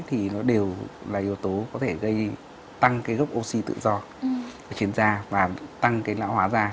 thì nó đều là yếu tố có thể tăng gốc oxy tự do trên da và tăng lão hóa da